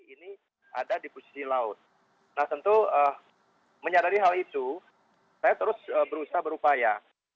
ini ada di posisi laut nah tentu menyadari hal itu saya terus berusaha berupaya